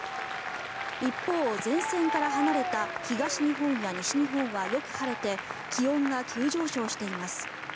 一方、前線から離れた東日本や西日本はよく晴れて気温が急上昇しています。